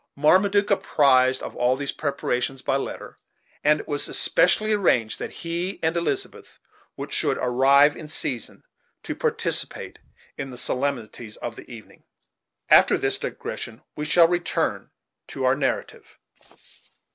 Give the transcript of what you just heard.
Marmaduke was apprised of all these preparations by letter, and it was especially arranged that he and Elizabeth should arrive in season to participate in the solemnities of the evening. After this digression, we shall return to our narrative.